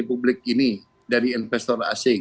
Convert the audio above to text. itu jualan dari daerah lain